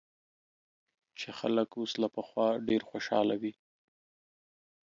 چې خلک اوس له پخوا ډېر خوشاله وي